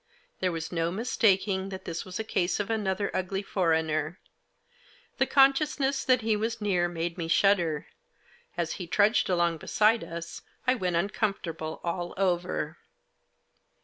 There was no mistaking that this was a case of another ugly foreigner. The consciousness that he was near made me shudder; as he trudged along beside us I went uncomfortable all over.